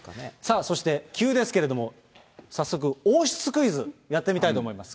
急ですけど早速、王室クイズ、やってみたいと思います。